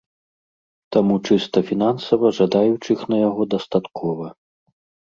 Таму чыста фінансава жадаючых на яго дастаткова.